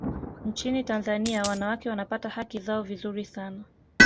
nchini tanzania wanawake wanapata haki zao vizuri sana